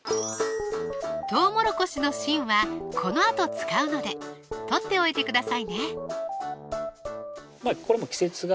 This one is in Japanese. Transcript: とうもろこしの芯はこのあと使うので取っておいてくださいねこれも季節柄